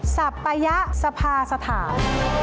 สัปยะสภาสถาน